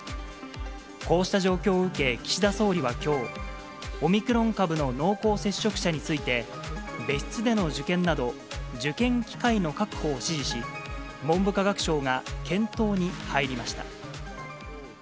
こうした状況を受け、岸田総理はきょう、オミクロン株の濃厚接触者について、別室での受験など、受験機会の確保を指示し、文部科学省が検討に入りました。